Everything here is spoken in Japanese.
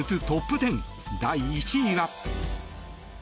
トップ１０第１位は。